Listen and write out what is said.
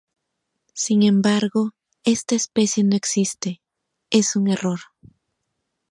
Sin embargo, esta especie no existe, es un error.